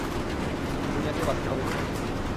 দুনিয়াকে বাঁচাতে হবে যে!